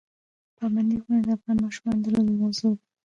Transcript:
پابندی غرونه د افغان ماشومانو د لوبو موضوع ده.